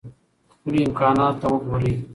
خپلو امکاناتو ته وګورئ.